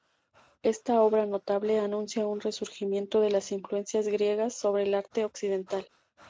Esta obra notable anuncia un resurgimiento de las influencias griegas sobre el arte occidental.